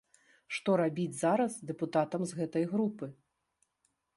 Што рабіць зараз дэпутатам з гэтай групы?